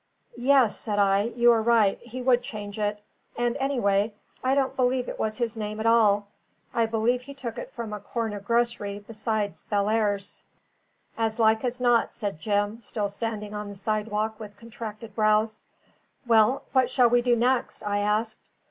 "Yes," said I, "you are right; he would change it. And anyway, I don't believe it was his name at all; I believe he took it from a corner grocery beside Bellairs's." "As like as not," said Jim, still standing on the sidewalk with contracted brows. "Well, what shall we do next?" I asked.